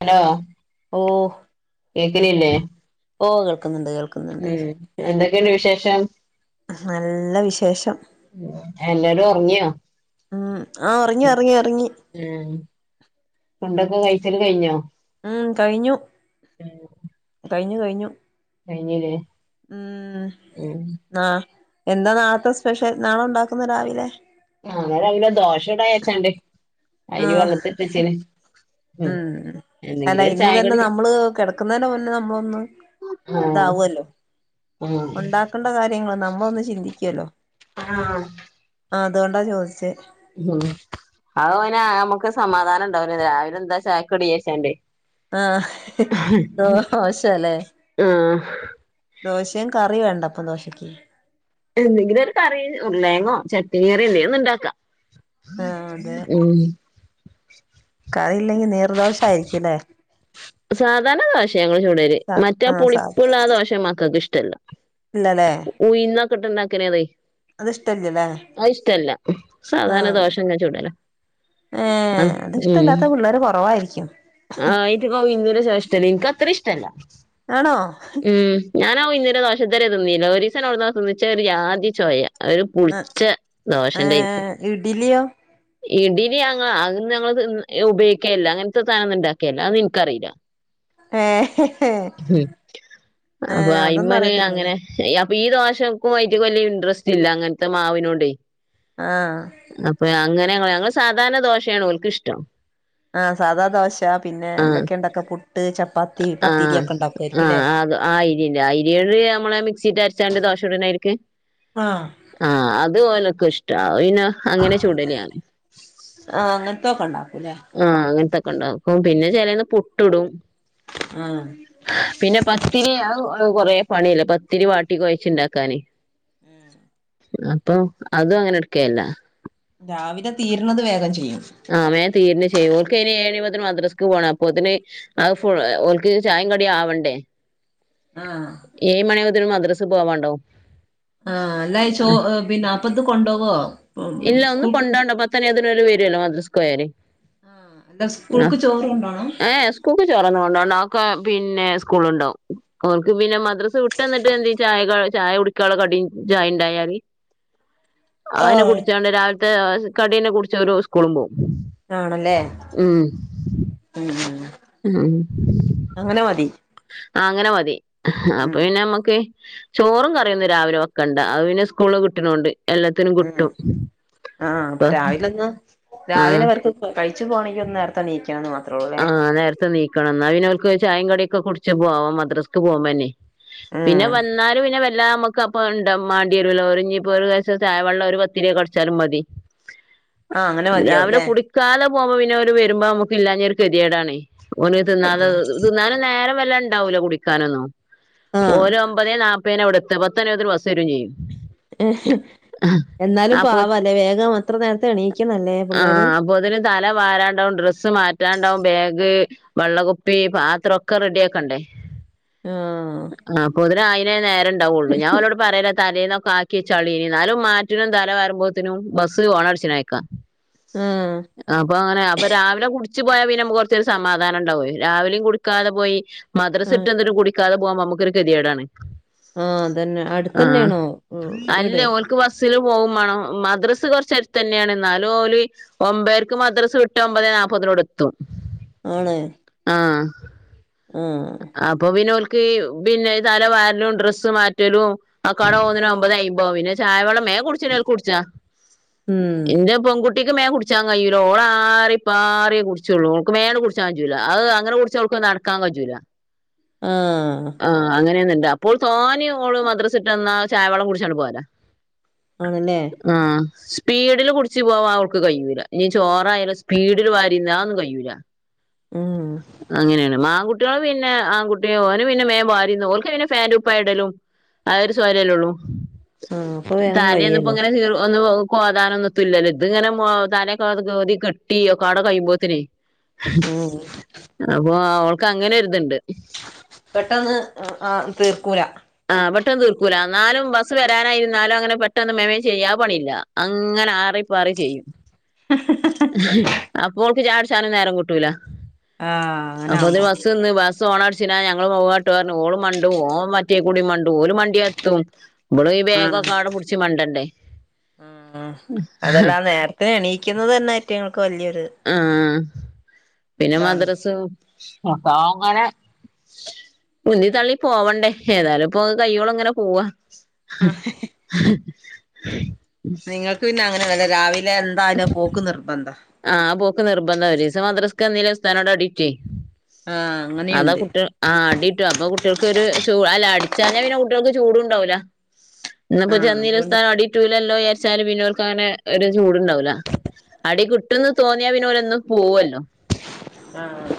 Hello ഓഹ് കേക്കണില്ലേ? ഓഹ് കേൾക്കുന്നുണ്ട് കേൾ ഉം എന്തൊക്കെയുണ്ട് വിശേഷം? നല്ല വിശേഷം. എല്ലാരും ഉറങ്ങിയോ ഉം ആഹ് ഒറങ്ങി ഒറങ്ങി ഒറങ്ങി. ഉം ഫുഡ് ഒക്കെ കഴിച്ചല് കഴിഞ്ഞോ? ഉം. കഴിഞ്ഞു കഴിഞ്ഞു കഴിഞ്ഞു കഴിഞ്ഞില്ലേ? ഉം ഉം ആഹ് എന്താ നാളത്തെ സ്പെഷ്യൽ നാളെഉണ്ടാക്കുന്നത് രാവിലെ? ആങ്ങര അങ്ങന ദോഷം ഇട വച്ചണ്ട് ആ അയിന് വെള്ളത്തിപ്പിച്ചന് ഉം അല്ല ഇന്ന് തന്നെ നമ്മള് കിടക്കുന്നതിന് മുന്നേ നമ്മളൊന്ന് ആഹ് ഇതാവല്ലോ ആഹ് ഉണ്ടാക്കേണ്ട കാര്യങ്ങോ നമ്മളൊന്ന് ചിന്തിക്കല്ലോ ആഹ് ആ അതുകൊണ്ടാ ചോദിച്ചേ [unintelligible] നമുക്ക് സമാധാനം ഉണ്ടാവന രാവിലെ എന്താ ചാക്കടിയശന്റെ ആ ഹ് ദോഷ ലേ ആഹ ദോശയും കറി വേണ്ടപ്പം ദോശക് എന്തെങ്കിലും ഒരു കറി ഉർലേങ്ങോ ചട്ന കറിയല്ലേ ഒന്ന് ഉണ്ടാക്കാം ആ ഉം കറിയില്ലെങ്കി നീർദോഷായിരിക്കുംല്ലേ സാധാരണ ദോശയ ഞങ്ങള്ൾ ചൂടല് സ മറ്റേ ആ സ പുളിപ്പള്ള ആ ദോശ മക്കൾക്ക് ഇഷ്ടമല്ല ഇല്ലലേ ഉയിന്നൊക്കെട്ട്ണ്ടാക്കിണത് അത് ഇഷ്ടല്ലല്ലേ ആ ഇഷ്ടല്ല സാധാരണ ദോഷങ്ങെ ചൂടല്ലോ ഏ അത് ഇഷ്ടമല്ലാത്ത പിള്ളേര് കുറവായിരിക്കും ആ ഇത്ക്ക ഇന്ദൂര ശേഷഷ്ടല്ല നിനിക്ക അത്ര ഇഷ്ടല്ല ആണോ ഉം ഞാനാ ഉയുനിന്റ ദോഷത്തരെ തിന്നില്ല ഒരു ദിവസം എവിടെനോ തി ന്ന ഒരു ജാദിചോയ അതൊര് ആ പുളിച്ച ഏ ദോശന്റൊയിരിക്ക ഇഡ്ലിയോ ഇടിലി ഞ അത് ഞങ്ങള് ഉപയോഗിക്കുകല്ലോ അങ്ങനത്തെഥനംന്ന ഉണ്ടാക്കിയല്ലോ അതെ ഇന്ക് അറീല ഏ ഏ അപ്പൊ അതൊന്നും അയിമ്മന് അറിയത്തില്ലല്ലേ അങ്ങനെ അപ്പൊ ഈ ദോഷക്കുമായിട്ട് വലിയ ഇൻടറസ്റ്റ് ഇല്ല അങ്ങനത്തെ മാവിനോട് ആഹ അപ്പൊ അങ്ങനെ ഞങ്ങൾ സാധാരണ ദോശയാണ്ഓലക്ക ഇഷ്ടം ആ സാദാ ദോശ ഉച്ച പിന്നെ ആഹ് എന്തൊക്കെയ ഉണ്ടാക്കുക പുട്ട് ചപ്പാത്തി പത്തിരിയൊക്കെ ഉണ്ടാക്കുവമായ ആഅത് ആയി ഇരി അരിയോട് നമ്മെ മിക്സിട്ട് അരച്ചാണ്ട് ദോശ ഇടനയിരിക്ക് ആഹ ആ അത് ഓലൊക്കെ ഇഷ്ട പിന്നെ അങ്ങനെ ചൂടലിയാണ് ആ അങ്ങനത്തൊക്കെ ണ്ടാക്കൂല്ലേ ആഹ അങ്ങനത്തൊക്കെ ഉണ്ടാക്കും പിന്നെ ചിലന്ന് പുട്ട്ടും ആഹ് പിന്നെ പത്തിരി കൊറെ പണിയല്ല പത്തിരി വാട്ടി കഴച്ചുണ്ടാക്കാന് [inaudible] അപ്പൊ അതും അങ്ങനെ എടുക്കെല്ല. രാവില തീരണത് വേഗം ചെയ്യും ആ വേഗം തീരണ് ശെരി ഓർക്ക് ഇനി ഏഴ് പത്തിന് മദ്രാസ്ക്ക് പോണം അപ്പത്തിന് അത് [unintelligible] ഓൾക്ക് ചായേം കടിയും ആവണ്ടേ ആഹ് ഏഴ് മണി മുതല് മദ്രസ് പോവാണ്ടാവും ആഹ് അല്ലാ ചോ പിന്നെ അപ്പത് കൊണ്ടോവൊ ഇല്ല ഒന്നുംകൊണ്ടോ [unintelligible] കല്യാണത്തിന് അവര് വരൂവല്ലോ മദ്രസ്ക് പോയാല് ആഹ് അല്ല ആഹ് സ്കൂൾക്ക് ചോറ് കൊണ്ടോണം ഏഹ് കുക്ക് ചോറന്ന കൊണ്ടോവണം അവക്ക് പിന്നെ സ്കൂളുണ്ടാവും ഓൾക്ക് പിന്നെ മദ്രസ് വിട്ട് വന്നിട്ട് എന്തേലും ചായ ചായ കുടിക്കുള്ള കടീം ചായ ഇണ്ടായാല് [inaudible] അത് പിന്ന കുടിച്ചോണ്ട് രാവിലത്തെ കടീനെ കുടിച്ച ഒരു സ്കൂളും പോകും ആണല്ലേ മ് മ് അങ്ങനെ മതി. അങ്ങനെ മതി, അപ്പൊ ഉം പിന്നെ നമ്മ- ക്കെ ചോറും കറിയൊന്നും രാവിലെ വെക്കണ്ട, അത് പിന്നെ സ്കൂള് കിട്ടണോണ്ട് എല്ലാ- ഉം ആഹ് അപ്പൊ രാവിലൊന്ന് ആ രാവിലെവർക്ക് കഴിച്ച് പോണങ്കി ഒന്ന് നേരത്തെണീക്കും ക്കാന്ന് [unintelligible] മാത്രൊള്ള് ആഹ് നേരത്തെണീക്കണം എന്നാപ്പിന്നോർക്കോയ് ചായേം കടിയൊക്കെ കുടിച്ച് പോം മദ്രസക്ക് പോവമ്പിനി ഉം പിന്നെ വന്നാലും പിന്നെ വല്ല മക്ക് ക്കപ്പണ്ട മണ്ടിയരുവല ഓര് ഞ്ഞിപ്പോ ഒരു [unintelligible] ചായ വെള്ളം ഒരു പത്തിരിയോ കടിച്ചാലും മതി ആഹ് അങ്ങനെ രാവിലെ മതിയാവുംല്ലേ കുടിക്കാതെ പോവമ്പ പിന്നോര് വരുമ്പൊ മ്മക്ക് ഇല്ലാഞ്ഞൊരു കെതികേടാണെ ഓന് അത് തിന്നാത് ശരിയാ തിന്നാനും നേരം വല്ല ഇണ്ടാവൂല്ല കുടിക്കാനൊന്നും ആഹ് ഓരോ ഒമ്പതെ നാപ്പേനെവടുത്ത പത്തണിവുബോത്തിന് ബസ്സരേം ചെയ്യും [unintelligible] എന്നാലും അപ്പൊ പാവല്ലേ വേഗം അത്ര നേരത്തെ എണീക്ക്ണ് ല്ലേ പിള്ളേര് ആഹ് അപ്പോത്തിന് തല വാരാണ്ടാവും ഡ്രസ്സ് മാറ്റ റ്റാണ്ടാവ് ബാഗ് വെള്ളകുപ്പി പാത്രൊക്കെ റെഡിയാക്കണ്ടേ ആഹ് ആഹ് പൊ [unintelligible] അയിനേ നേരുണ്ടാവുള്ളൂ ഞാനോലോട് പറയല തലേന്നൊക്കെ ആക്കിവെച്ചാളി എന്നാലും മാറ്റിനും തല വാരുമ്പോത്തിനും ബസ് ഓണടിച്ചിനക്കാ ആഹ് അപ്പൊ അങ്ങനെ അപ്പൊ രാവിലെ കുടിച്ച് പോയാ പിന്നെ മ്മക്ക് കൊറച്ചരു സമാധാനുണ്ടാവെ രാവിലേം കുടിക്കാതെ പോയി മദ്രസ് ആഹ് വിട്ടന്നിട്ടും കുടിക്കാതെ പോവും മ്പൊ നമുക്കൊരു കെതികേടാണ് ആഹ് അതന്നെ അടുത്തെന്നാണോ [unintelligible] അല്ല വീട് ഓൽക്ക് ബസ്സില് പോകുവേണം മദ്രസ് കുറച്ചടുത്തെന്നെയാണ് എന്നാലും ഓലി ഒമ്പേരക്ക് മദ്രസവിട്ട ഒമ്പത് നാപ്പതിനോടെത്തും ആണ് ആഹ് ആഹ് അപ്പൊപ്പിനോൽക്ക് പിന്നെ തലവാരലും ഡ്രെസ്സ് മാറ്റലും അക്കാടപോന്നേനൊ ഒമ്പതയ്മ്പൊതാവും പിന്നെ ചായ വെള്ളം മേ കുടിച്ചിനെ കുടിച്ചാ ഉം ഇന്റെ പെൺകുട്ടിക്ക് മേൻ കുടിച്ചാൻ കയ്യൂല്ല ഓള് ആറിപ്പാറിയെകുടിച്ചുള്ളൂ ഓൾക്ക് മേ കുടിച്ചാൻ കയ്യൂല്ല അങ്ങനെ കുടിച്ച [unintelligible] നടക്കാൻ കയ്യൂല്ല ആഹ് ആഹ് അങ്ങനെയൊന്നുണ്ട് അപ്പോൾ തോനെ ഓള് മദ്രസിട്ടംവന്നാ ചായ വെള്ളം കുടിച്ചാണ് പോവല ആണല്ലേ ആഹ് സ്പീഡില് കുടിച്ച് പോവാൻ അവൾക്ക് കയ്യൂല ഇനി ചോറായാലു സ്പീഡിൽ വാരിന്ന അഒന്നും കയ്യൂല്ല ഉം അങ്ങനേണ് മാങ്കു പിന്നെ ആൺകുട്ടി ഓന് പിന്നെ മേം വാരിന്ന് ഓൽക്ക് പിന്നെ ഫാന്റുകുപ്പായ ഇടലും അതൊരു സ്വര [unintelligible] ല്ലേള്ളൂ ഉം അപ്പൊ വേഗം താനെന്ന [unintelligible] പ്പോ കഴിയല്ലോ ഇങ്ങനെ ഒന്ന് കോതാനൊന്നുതുല്ലല്ലോ ഇത് ഇങ്ങനെ മ താനെ കോതി കെട്ടി കാട കയ്യുമ്പോത്തനേ ഉം അപ്പൊ ഓൾക്ക് അങ്ങനോരിതൊണ്ട് പെട്ടെന്ന് ആഹ് തീർക്കൂല ആഹ് പെട്ടെന്ന് തീർക്കൂല എന്നാലും ബസ്സ് വരാനായിരുന്നാലും അങ്ങനെ പെട്ടെന്ന് മേമേം ചെയ്യാ ആ പണിയില്ല അങ്ങനെ ആറിപ്പാറി ചെയ്യും ഹ ഹ ഹ അപ്പോൾക്ക് ചായടിച്ചനും നേരം കിട്ടൂല ആഹ് അങ്ങനാവുമ്പോ അപ്പൊതിന്ന് ബസി സോണ [unintelligible] അടിച്ചിന ഞങ്ങള് പോവാട്ടൊറഞ്ഞ് ഓള് മണ്ടും ഓൻ മറ്റേ കൂടി മണ്ടും ഓ ൻ മണ്ടിയാത്തും ഇവളു ഈ ആഹ് ബേഗെക്കാടെ പിടിച്ച് മണ്ടണ്ടേ ഇതി [unintelligible] നെ എണീക്കുന്നതന്നെ ഈറ്റേങ്ങൾക്ക് വല്യൊരു ആഹ് പിന്നെ മദ്രസും മൊത്തോങ്ങനെ ഉന്തീ തള്ളി പോവണ്ടേ ഏതായാലിപ്പോ കയ്യോളിങ്ങനെ പോവാ [unintelligible] ങ്ങൾക്ക് പിന്നെ അങ്ങനെന്നല്ല രാവിലെ എന്തായാലും പോക്ക് നിർബന്ധാ. ആഹ് പോക്ക് നിർബന്ധം ഒരീസം മദ്രസക്ക് വന്നീലെങ്കി ഉസ്ഥാനോട് അടിട്ടു യ് ആഹ് അതാ അങ്ങനെയുണ്ട് കുട്യോൾ ആഹ് അടിട്ടും അപ്പൊ കുട്ടികൾക്കൊര് ചൂ അല്ല അടിച്ചഞ്ഞാ പിന്നെ കുട്ടികൾക്ക് ഒര് ചൂടുണ്ടാവൂല ന്ന്പ്പൊ ആഹ് ചെന്നീലെങ്കി അതുകൊണ്ട് ഉസ്താദടി റ്റൂലല്ലോ വിചാരിച്ചാല് പിന്നെവർക്ക് അങ്ങനെ ഒരു ചൂടുണ്ടാവില്ല അടി കിട്ടു- പട്ടന്ന് തോന്നിയാ പിന്നെന്നും ഓല് പോവല്ലോ ആഹ്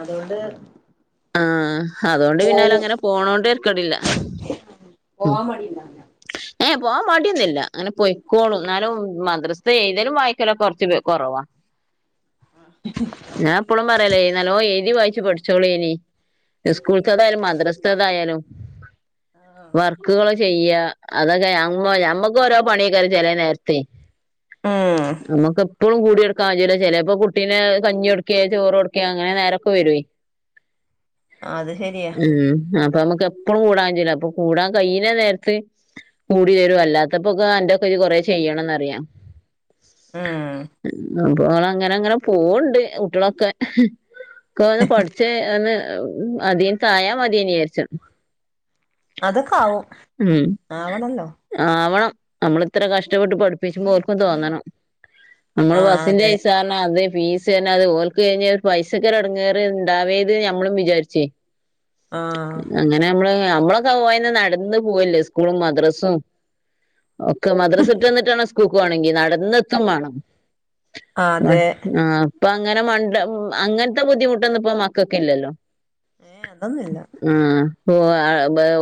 അത്കൊണ്ട് ആ അതുകൊണ്ട് പിന്നാല അങ്ങനെ പോണോണ്ട് തരക്കെടില്ല പോവാൻ മടിണ്ടാവൂല്ല ഏഹ് പോവാൻ മടിയൊന്നുല്ല. അങ്ങനെ പൊയിക്കോളും എന്നാലും മദ്രസ്ഥ എയ്തലും വായിക്കലും കൊറച്ച് കുറവാ ആഹ് ഞാൻപ്പളും പറയലാ നാല്ലോം എഴ്തി വായിച് പഠിച്ചോളീ യ്നി സ്കൂളത്തതായാലും മദ്റസത്തേതായാലും വർക്കുകൾ ചെയ്യാ അതൊക്കെ ഞമ്മ ഞമ്മക്ക് ഓരോ പണിയ്‌ക്കാരം ചെല നേരത്തെ ഉം നമ്മുക്ക് പ്പോൊഴും കുടെ നടക്കാം കയ്യൂ ല ചെലൊപ്പോ കുട്ടീനെക്കെ കഞ്ഞി കൊട്ക്കെ ചോറ് കൊടുക്കേ അങ്ങനെ നേരൊക്കെ വരൊ അത് ശരിയാ ഉം അപ്പൊ നമ്മുക്ക് എപ്പഴും കൂടാ കയൂല അപ്പൊ കൂടാൻ കഴയിനേ നേരത്ത് കൂടി തരും അല്ലാത്തപ്പോക്കെ അന്റെക്കെ ഇത് കൊറേ ചെയ്യണംന്ന്റിയാം ഉം അപ്പോള അങ്ങനെ അങ്ങനെ പോ വണ്ണ്ണ്ട് കുട്ടോളൊക്കെ ഇക് ഒന്ന് പഠിച്ച് ഒന്ന് മത മതീന്ന് വിചാരിച്ചും അതൊക്കെ ആവും ഉം ആവണല്ലോ ആവണം നമ്മള ഇത്ര കഷ്ടപ്പെട്ട് പഠിപ്പിച്ചുമ്പോർക്കും തോന്നണം മ്മള് ആഹ് അതെ ബസ്സിന്റെയ്സ ആ അത് ഫീസ്ന്നെ അത് ഓൽക് കഴിഞ്ഞാൽ പൈസക്കെടങ്ങാറ് ഇണ്ടാവേര്ത് ന്ന് ഞമ്മളും വിചാരിച് ആഹ് അങ്ങനെ നമ്മള് നമ്മളൊക്കെ പോയ് ന്നന്ന് നടന്ന് പോവല്ലേ സ്കൂളും മദ്രസും ഒക്കെ മദ്രാസട്ട വന്നിട്ടാണം സ്കൂൾക്കോണങ്കി നടന്നെത്തും വേണം ആഹ് അതെ ആഹ് ഇപ്പൊ അങ്ങനെ മണ്ട അങ്ങനത്തെ ബുദ്ധിമുട്ടൊന്നും പ്പം മക്കക്കില്ലല്ലോ ഏഹ് അതൊന്നുല്ല മം ഓ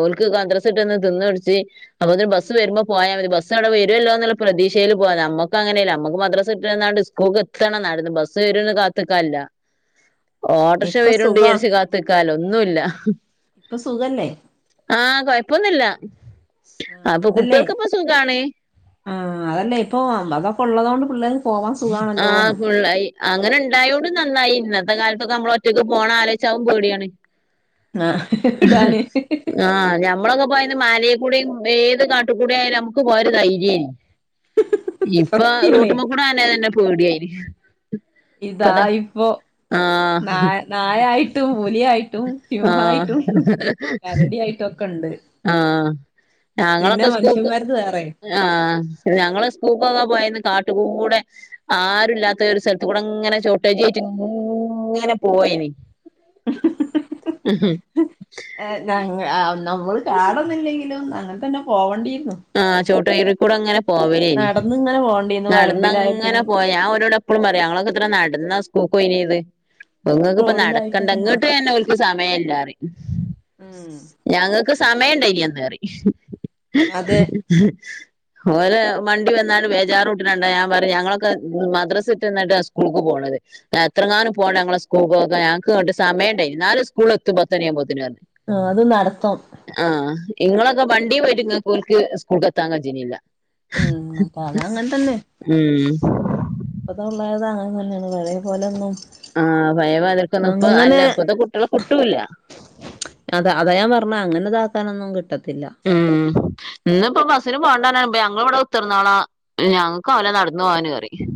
ഓൽക്ക് മദ്രസട്ടന്ന് തിന്നുടിച്ച് അപ്പൊൊ ബസ് വരുമ്പോ പോയാ മതി ബസ്സവടെ വരുല്ലോുള്ള പ്രതീക്ഷയിൽ പോയാ നമുക്ക് അങ്ങനെയല്ല നമ്മക്ക് മദ്രാസ വിട്ടാണ്ടന്ന് സ്- കോക്ക് എത്തണം നടന്ന് ബസ്സ് വരുംന്ന് കാത്ത്ക്കാല്ല [inaudible] ഓട്രോഷ ഇപ്പൊ വേരുണ്ട് സുഖാ വിചരിച്ചണ്ട് കാത്ത് ക്കാല്ല ന്നുംല്ല ഇപ്പൊ സുഖല്ലേ ആഹ് കൊഴപ്പൊന്നുല്ല ആഹ് അപ്പൊ അതല്ലേ കുട്ടികൾക്കിപ്പ സുഖാണ് ആഹ് അതല്ലേ ഇപ്പൊ അതൊക്കെ ഒള്ളതൊണ്ട് പിള്ളേര് പോവാൻ സുഖാണ് ആഹ ഫുുള്ളായി അങ്ങനെ ഉണ്ടായോണ്ടും നന്നായി ഇന്നത്തെ കാലത്തൊക്കെ നമ്മളൊക്കൊറ്റയ്ക്ക് പോണാലോയ്ച്ചാ അതുംപേടിയാണ് ആഹ് ഹ് ഇടാന് ആ ഞമ്മളൊക്കെ പോയ മലിൽ കൂടേം ഏത് കാട്ട്കൂടെ ആയാലും നമുക്ക് പോയ ഒരു ധൈര്യാ യ്ര്ന്ന് ഇപ്പൊ സത്യാണേ റോട്ട്മക്കൂടെ തന്നെ തന്നെ പേടിയായിന് ഇതാ ഇപ്പോ ന നായായിട്ടും പുലിയായിട്ടും സിംഹായിട്ടും കരടിയായിട്ടും ഒക്കെ ഉണ്ട് ആഹ് പിന്നെ ഞങ്ങളൊക്കെ സ്കൂക്ക് മനുഷ്യന്മാരത് വേറെ ആ ഞങ്ങള് സ്കൂക്കൊക്കെ പോയന്ന് കാട്ടു കൂടെ ആരും ഇല്ലാത്ത ഒരു സ്ഥൽത്തു കൂടെ ഇങ്ങനെ ചൗട്ടഅജും ചോയ്ച്ച് ഇങ്ങനെ പോവെനി അ ഉ [unintelligible] ഹെ നങ്ങൾ അ എന്നാ ഓൾ കാടുന്നില്ലെങ്കിലും അങ്ങതന്നെ പോവേണ്ടിയിരുന്നു ആഹ് ചോട്ട ഇറിക്കൂടെ ങ്ങനെ പോവലേനി നടന്ന് ഇങ്ങനെ പോണ്ടിരുന്നു വരമ്പിലായിട്ടും നടന്നങ്ങനെ പോയാ ഞാൻ ഒരടെ ഇപ്പളും പറിം ഞങ്ങളൊക്കെ എത്ര നടന്നാ സ്ക്കൂൾക്ക് പോയിനെത് ഇങ്ങെക്ക് ഇപ്പം റോഡിലായിട്ടും നട്ക്കെണ്ട ഒക്കെ ഇങ്ങെട്ട് നടക്കും എന്നെ ഓൽ സമയില്ലാ പറിം ഉം ഞങ്ങെക്ക് സമയം ഇണ്ടായില്ല ഇന്ന് പറിം അതെ [unintelligible] ഇവടെ മണ്ടി വന്നാണ്ട് ബേജാറൂട്ട്നെ കണ്ടാ ഞാൻ പറിം ഞങ്ങളൊക്കെ മദ്രസ് വിട്ട് വന്ന്ട്ടാ സ്കൂൾക്ക് പോണെത് എത്രങ്ങാനും പോണം ഞങ്ങളെ സ്കൂൾ ക്കെ ഞങ്ങക്ക് ഇങ്ങണ്ട് സമയമണ്ടായി നാലും സ്കൂൾ എത്തും പത്തനിയുമ്പോത്തന് പറഞ്ഞു ആഹ് അത് നട്ത്തം ആഹ് ഇങ്ങളൊക്കെ വണ്ടിപോയിട്ട് നിങ്ങൾക്ക് ഓല്ക് സ്കൂൾക്ക് എത്താൻ കജ്ജ്നില്ല ഉം അത് അത് അങ്ങെൻ തന്നെ ഉം ഇപ്പത്തെ ആവുമ്പം അത് അങ്ങനെ തന്നെയാണ് പഴെ പോലെ ഒന്നും ആഹ് പയേ [unintelligible] ഇപ്പ അല്ല ഇപ്പത്തെ കുട്ടികളെ കുട്ടൂല്ല അതാ അതാ ഞാൻ പർണെ അങ്ങനെ ഇതാക്കാനൊന്നും കിട്ടത്തില്ല ഉം ഇന് ഇപ്പോ ബസ്സിന് പോകേണ്ടപരന്ന ഞങ്ങൾ ഇവിടെ കുത്തർന്നോളാ ഞങ്ങൾക്ക് അവുല നടന്നു പോകാൻ പരിം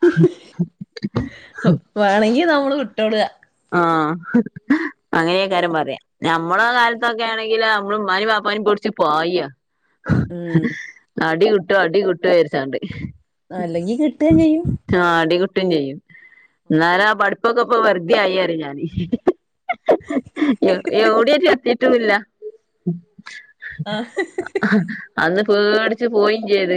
[unintelligible] വേണെങ്കി നമ്മെൾ വിട്ടോളാ ആഹ് അങ്ങനെയ്ക്കാരം പറിയാ ഞമ്മളെ കാൽത്തൊ ക്ക ആണെങ്കിൽ നമ്മള് ഇമാനിം പപാനിം പൊടിച്ച്പായ ഉം അടി കിട്ടോ അടി കിട്ടോ വിചാര്ച്ചാണ്ട് അല്ലെങ്കിൽ കിട്ടെ ചെയ്യും ആ അടികിട്ടും ചെയ്യും എന്നാല ആ പഠിപ്പൊക്കെ ഇപ്പൊ വെറുതെ ആയിന്ന് ഞാന് എവിടെയ ച എത്തിട്ടില്ല ആഹ് അന്ന് പേട്ച്ച് പോയിം ചെയ്ത്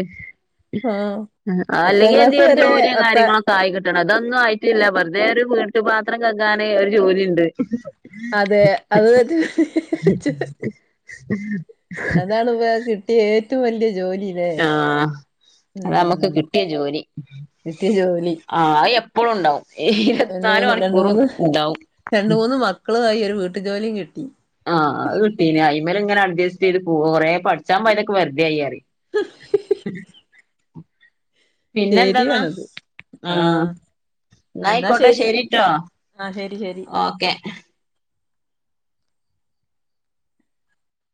ആഹ് അഹ് പത്താം അല്ലെങ്കിൽ ക്ലാസ് എന്തെങ്കിലും ഒര് വരെ ജോലിയോ പത്ത കാര്യങ്ങളൊ തായി കിട്ടണം അതൊന്നും ആയിട്ടില്ല വെറുതെ ഒരു വീട്ടുപാത്രം കെകാൻ ഒരു ജോലിണ്ട് അതെ അത് ത്തന്നെ [unintelligible] [unintelligible] [unintelligible] അതാണ് ഇപ്പ കിട്ടിയ ഏറ്റവും വലിയ ജോലി ആഹ് അതാ അമ്മെക്ക് കിട്ടിയ ജോലി കിട്ടിയ ജോലി ആ അത് എപ്പോഴും ഉണ്ടാവും രണ്ട് ഇരുപത്തിനാല് മൂന്ന് രണ്ട് മണിക്കൂറും മൂന്ന് ഇണ്ടാവും രണ്ട് മൂന്ന് മക്കളും ആയി ഒര് വീട്ടു ജോലിം കിട്ടി ആഹ് അഹ് കിട്ടിന് അയിമെൽ ഇങ്ങനെ അഡ്ജെസ്റ്റ് ചെയ്ത് പോവാ കൊറെ പഠിച്ചാൻ പോയതൊക്കെ വെറ്തെ ആയി പറിയാ ഉ ശരിയാണത് ആഹ് ആഹ എന്നാ എന്നായിക്കോട്ടെ ശരി. ശരിട്ടോ ആ ശരി ശരി. ഓക്കെ